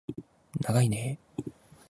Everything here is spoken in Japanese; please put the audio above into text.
ながいねー